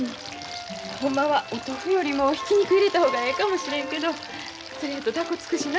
ほんまはお豆腐よりもひき肉入れた方がええかもしれんけどそれやと高うつくしな。